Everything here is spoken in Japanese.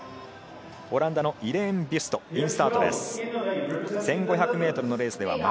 オランダのイレーン・ビュスト、インスタートです。